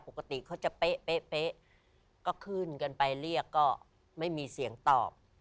ปกติเขาจะเป๊ะก็ขึ้นกันไปเรียกก็ไม่มีเสียงตอบ